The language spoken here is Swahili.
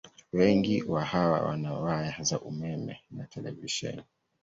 Wengi wa hawa wana waya za umeme na televisheni.